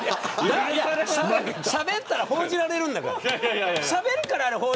しゃべったら報じられるんだから。